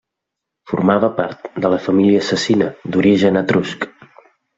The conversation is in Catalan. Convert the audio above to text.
Formava part de la família Cecina, d'origen etrusc.